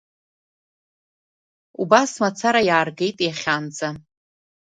Убас мацара иааргеит иахьанӡа.